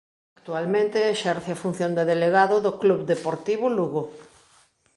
Actualmente exerce a función de delegado do Club Deportivo Lugo.